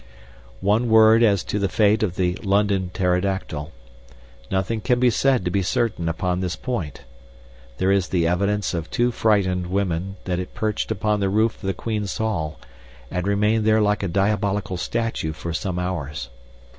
One word as to the fate of the London pterodactyl. Nothing can be said to be certain upon this point. There is the evidence of two frightened women that it perched upon the roof of the Queen's Hall and remained there like a diabolical statue for some hours.